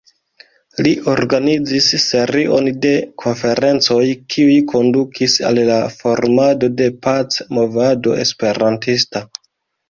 Li organizis serion de konferencoj kiuj kondukis al la formado de pac-movado esperantista.